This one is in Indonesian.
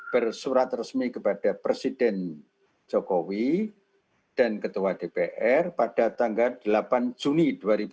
bersurat resmi kepada presiden jokowi dan ketua dpr pada tanggal delapan juni dua ribu dua puluh